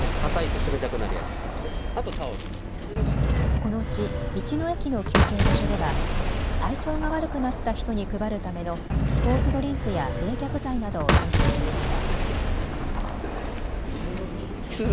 このうち道の駅の休憩場所では体調が悪くなった人に配るためのスポーツドリンクや冷却剤などを準備していました。